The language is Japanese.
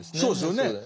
そうですよね。